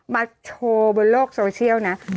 มาโชว์บนโลกโซเชียลนะ